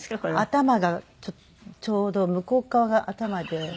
頭がちょうど向こう側が頭で。